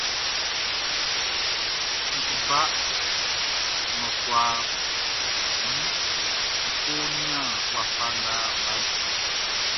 N su ba nnɔsua nun ń kó nían wafa nga baʼn tiʼn.